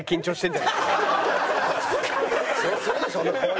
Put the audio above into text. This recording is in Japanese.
そりゃするでしょ。